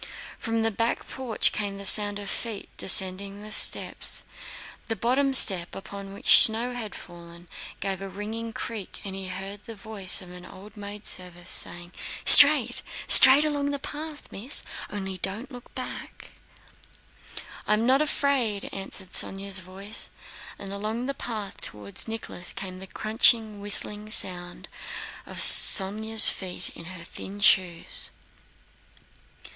From the back porch came the sound of feet descending the steps, the bottom step upon which snow had fallen gave a ringing creak and he heard the voice of an old maidservant saying, "Straight, straight, along the path, Miss. Only, don't look back." "I am not afraid," answered Sónya's voice, and along the path toward Nicholas came the crunching, whistling sound of Sónya's feet in her thin shoes.